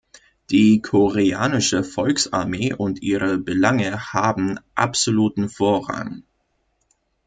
Die Koreanische Volksarmee und ihre Belange haben „absoluten Vorrang“.